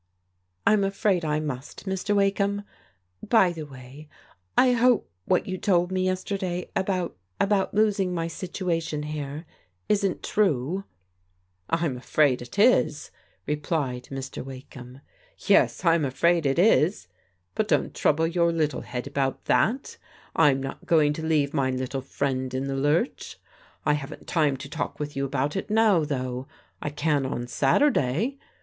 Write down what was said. " I'm afraid I must, Mr. Wakeham. By the way, I hope what you told me yesterday about — about my losing my situation here isn't true." " I'm afraid it is," replied Mr. Wakdiam, " yes, Tm afraid it is. But don't trouble your little head about that I'm not going to leave my little friend in the lurch. I haven't time to talk with you about it now, though. I can on Saturday.